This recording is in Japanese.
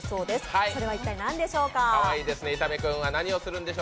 それは何でしょうか？